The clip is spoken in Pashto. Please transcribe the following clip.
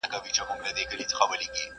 چي ناڅاپه مي ور وښودل غاښونه٫